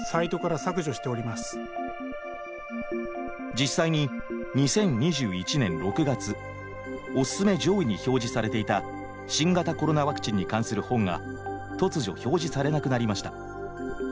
実際に２０２１年６月「おすすめ」上位に表示されていた新型コロナワクチンに関する本が突如表示されなくなりました。